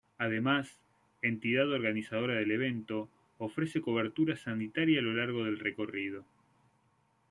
Además, entidad organizadora del evento, ofrece cobertura sanitaria a lo largo del recorrido.